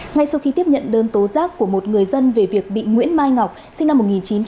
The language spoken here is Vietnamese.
ngay sau khi tiếp nhận đơn tố giác của một người dân về việc bị nguyễn mai ngọc sinh năm một nghìn chín trăm tám mươi